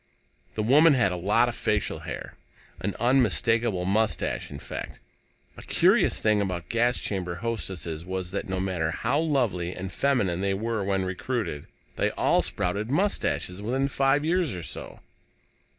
The woman had a lot of facial hair an unmistakable mustache, in fact. A curious thing about gas chamber hostesses was that, no matter how lovely and feminine they were when recruited, they all sprouted mustaches within five years or so.